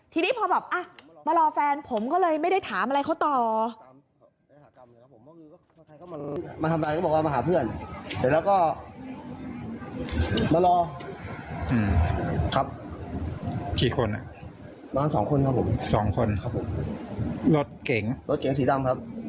ทีนี้พอแบบมารอแฟนผมก็เลยไม่ได้ถามอะไรเขาต่อ